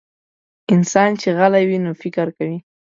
انسان چې غلی وي، نو فکر کوي.